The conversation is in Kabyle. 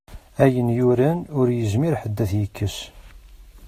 Ayen yuran, ur yezmir ḥedd ad t-yekkes.